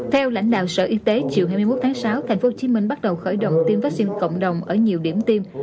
theo lãnh đạo sở y tế chiều hai mươi một tháng sáu tp hcm bắt đầu khởi động tiêm vaccine cộng đồng ở nhiều điểm tiêm